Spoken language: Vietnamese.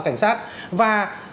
cảnh sát và